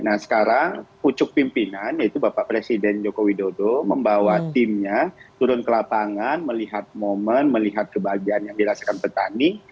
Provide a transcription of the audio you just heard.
nah sekarang pucuk pimpinan yaitu bapak presiden joko widodo membawa timnya turun ke lapangan melihat momen melihat kebahagiaan yang dirasakan petani